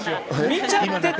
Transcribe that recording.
見ちゃってた。